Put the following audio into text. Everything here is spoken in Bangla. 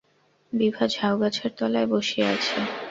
বিভা ঝাউগাছের তলায় বসিয়া আছে।